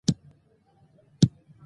مقالې د غازي پر ژوند او فکر ليکل شوې وې.